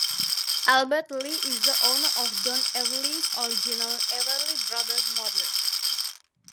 Albert Lee is the owner of Don Everly's original "Everly Brothers Model".